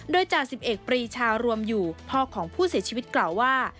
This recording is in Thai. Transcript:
โดยจ่าสิบเอกปรีชารวมอยู่พ่อของผู้เสียชีวิตกล่าวว่า